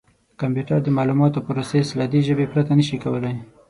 کمپیوټر د معلوماتو پروسس له دې ژبې پرته نه شي کولای.